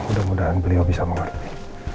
mudah mudahan beliau bisa mengerti